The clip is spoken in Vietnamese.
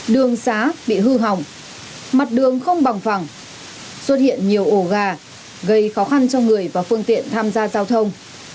đường xá bị hư hỏng mặt đường không bằng phẳng xuất hiện nhiều ổ gà gây khó khăn cho người và phương tiện tham gia giao thông